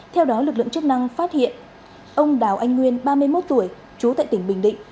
theo đó lực lượng chức năng phát hiện ông đào anh nguyên ba mươi một tuổi trú tại tỉnh bình định